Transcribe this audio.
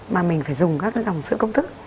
mà mình phải dùng các cái dòng sữa công thức